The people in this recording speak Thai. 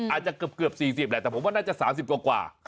อาจจะเกือบ๔๐แหละแต่ผมว่าน่าจะ๓๐กว่า